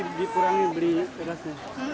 jadi dikurangi beri berasnya